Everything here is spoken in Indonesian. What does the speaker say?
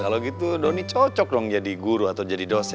kalo gitu donny cocok dong jadi guru atau jadi dosen ya